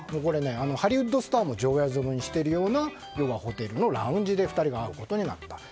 ハリウッドスターも定宿にしているようなホテルのラウンジで２人が会うことになったと。